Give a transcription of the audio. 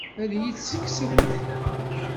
Ad iyi-tt-tekksemt?